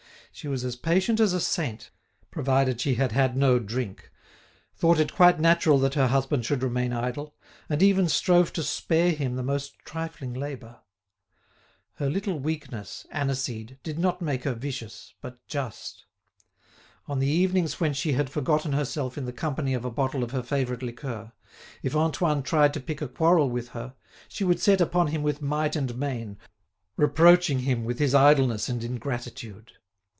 She was as patient as a saint, provided she had had no drink, thought it quite natural that her husband should remain idle, and even strove to spare him the most trifling labour. Her little weakness, aniseed, did not make her vicious, but just. On the evenings when she had forgotten herself in the company of a bottle of her favourite liqueur, if Antoine tried to pick a quarrel with her, she would set upon him with might and main, reproaching him with his idleness and ingratitude.